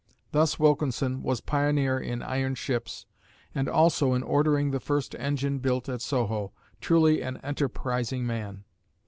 Thus Wilkinson was pioneer in iron ships, and also in ordering the first engine built at Soho truly an enterprising man.